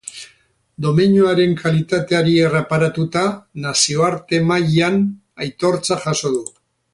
Domeinuaren kalitateari erreparatuta, nazioarte mailan aitortza jaso du.